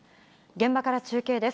現場から中継です。